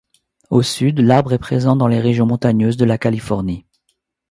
Au sud, l'arbre est présent dans les régions montagneuses de la Californie.